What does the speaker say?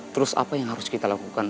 terus apa yang harus kita lakukan